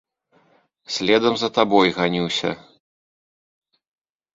Следам за табой ганюся.